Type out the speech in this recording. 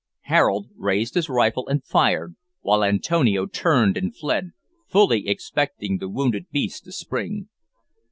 Harold raised his rifle and fired, while Antonio turned and fled, fully expecting the wounded beast to spring.